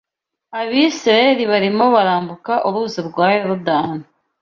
Abisirayeli barimo barambuka Uruzi rwa Yorodani